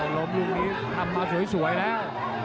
ล้มลูกนี้ทำมาสวยแล้ว